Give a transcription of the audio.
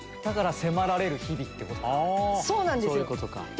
だから「迫られる日々」ってことか。